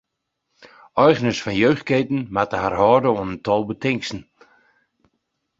Eigeners fan jeugdketen moatte har hâlde oan in tal betingsten.